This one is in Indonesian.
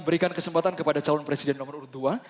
berikan kesempatan kepada calon presiden nomor dua